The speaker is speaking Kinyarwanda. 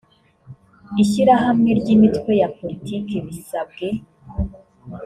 ishyirahamwe ry imitwe ya politiki bisabwe